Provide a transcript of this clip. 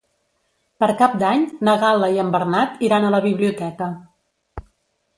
Per Cap d'Any na Gal·la i en Bernat iran a la biblioteca.